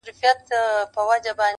د سترگو تور مي د ايستو لائق دي،